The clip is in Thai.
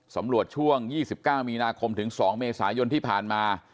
ช่วง๒๙มีนาคมถึง๒เมษายนที่ผ่านมา